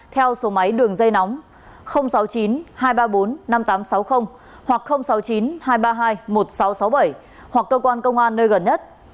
theo số máy đường dây nóng sáu mươi chín hai trăm ba mươi bốn năm nghìn tám trăm sáu mươi hoặc sáu mươi chín hai trăm ba mươi hai một nghìn sáu trăm sáu mươi bảy hoặc cơ quan công an nơi gần nhất